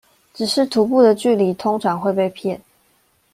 只是徒步的距離通常會被騙